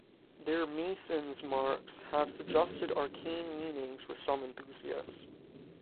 Their masons' marks have suggested arcane meanings for some enthusiasts.